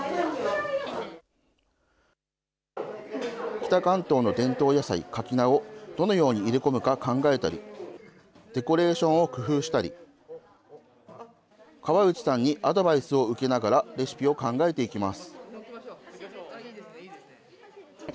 北関東の伝統野菜、かき菜を、どのように入れ込むか考えたり、デコレーションを工夫したり、河内さんにアドバイスを受けながら、レシピを考えていきます。